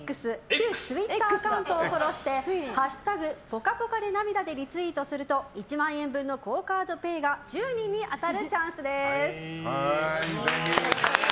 旧ツイッターアカウントをフォローして「＃ぽかぽかで涙」でリツイートすると１万円分のＱＵＯカードＰａｙが１０人に当たるチャンスです。